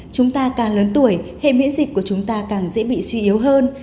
chúng ta càng lớn tuổi hệ miễn dịch của chúng ta càng dễ bị suy yếu hơn